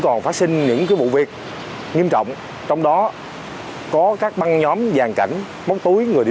còn phát sinh những cái vụ việc nghiêm trọng trong đó có các băng nhóm vàng cảnh móc túi người đi